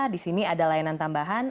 di sini ada layanan tambahan